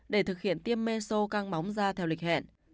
để thực hiện tiêm mê sô căng bóng da theo lịch hẹn